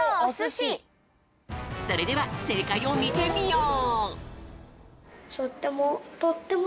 それではせいかいをみてみよう！